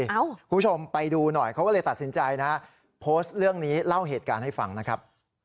คุณผู้ชมไปดูหน่อยเขาก็เลยตัดสินใจนะโพสต์เรื่องนี้เล่าเหตุการณ์ให้ฟังนะครับ